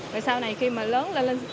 rồi sau này khi mà lớn lên